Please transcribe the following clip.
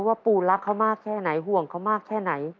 ว่าปูรักเขามากแค่ไหนห่วงเขามากแค่ไหน